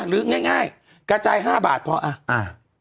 หรือง่ายกระจาย๕บาทเพราะ